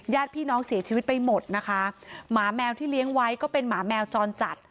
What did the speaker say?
ญาติพี่น้องเสียชีวิตไปหมดนะคะหมาแมวที่เลี้ยงไว้ก็เป็นหมาแมวจรจัด